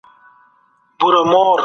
د علت او معلول کشف د علمي پرمختګ لامل دی.